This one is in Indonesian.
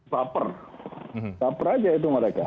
baper baper aja itu mereka